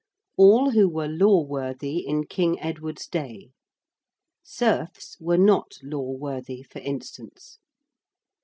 'All who were law worthy in King Edward's day.' Serfs were not law worthy, for instance.